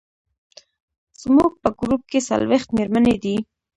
زموږ په ګروپ کې څلوېښت مېرمنې دي.